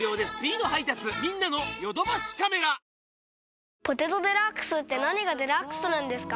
そして「ポテトデラックス」って何がデラックスなんですか？